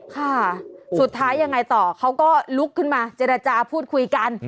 ค่ะสุดท้ายยังไงต่อเขาก็ลุกขึ้นมาเจรจาพูดคุยกัน